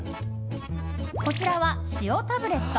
こちらは、塩タブレット。